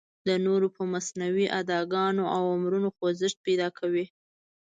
د نورو په مصنوعي اداګانو او امرونو خوځښت پیدا کوي.